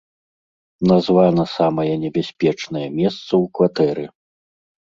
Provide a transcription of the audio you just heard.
Названа самае небяспечнае месца ў кватэры.